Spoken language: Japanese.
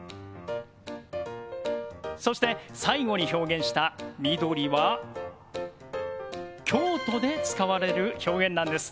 そして最後に表現した「みどり」は京都で使われる表現なんです。